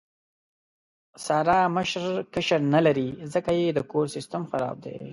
ساره مشر کشر نه لري، ځکه یې د کور سیستم خراب دی.